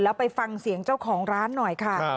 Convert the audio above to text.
แล้วไปฟังเสียงเจ้าของร้านหน่อยค่ะ